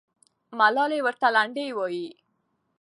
ملالۍ ورته لنډۍ وایي.